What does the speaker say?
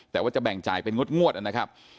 แต่ว่าจะแบ่งจ่ายเป็นงวดนะครับ